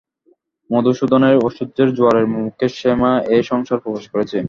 মধুসূদনের ঐশ্বর্যের জোয়ারের মুখেই শ্যামা এ সংসারে প্রবেশ করেছে।